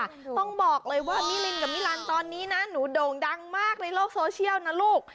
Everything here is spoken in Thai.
ต้องบอกเลยว่ามิลินกับมิลันตอนนี้นะหนูโด่งดังมากในโลกโซเชียลนะลูก